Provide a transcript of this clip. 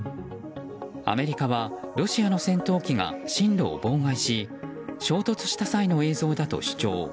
アメリカはロシアの戦闘機が進路を妨害し衝突した際の映像だと主張。